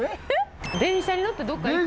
電車に乗ってどっか行く？